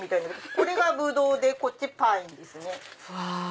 これがブドウでこっちパインですね。